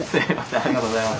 ありがとうございます。